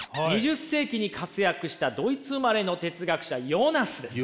２０世紀に活躍したドイツ生まれの哲学者ヨナスです。